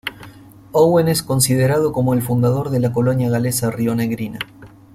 Owen es considerado como el fundador de la colonia galesa rionegrina.